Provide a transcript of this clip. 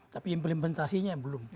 tapi implementasinya belum